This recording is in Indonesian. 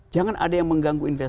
jangan ada yang mengganggu